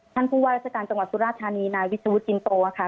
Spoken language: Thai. ท่านผู้ว่ารัฐกาลจังหวัดสุราษฎรณีนายวิทยาวุทธิ์อินโตค่ะ